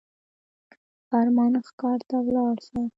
فرمانه ښار ته ولاړ سه.